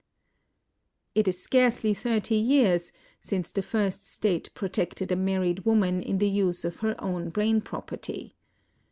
It is scarcely thirty years since the first State protected a married woman in the use of her own brain property.